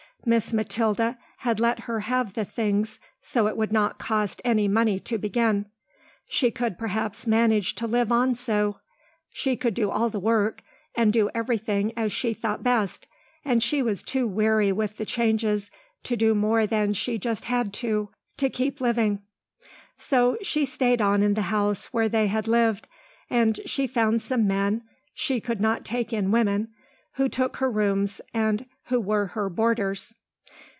Miss Mathilda had let her have the things, so it would not cost any money to begin. She could perhaps manage to live on so. She could do all the work and do everything as she thought best, and she was too weary with the changes to do more than she just had to, to keep living. So she stayed on in the house where they had lived, and she found some men, she would not take in women, who took her rooms and who were her boarders.